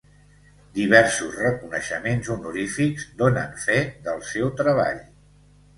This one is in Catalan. Diversos reconeixements honorífics, donen fe del seu treball.